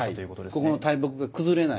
ここの大木が崩れない。